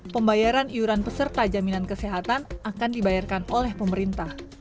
pembayaran iuran peserta jaminan kesehatan akan dibayarkan oleh pemerintah